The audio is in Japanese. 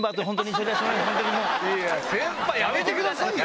先輩やめてくださいよ！